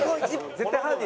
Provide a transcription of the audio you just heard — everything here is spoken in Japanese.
絶対犯人。